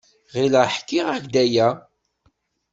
Ɣileɣ ḥkiɣ-ak-d aya.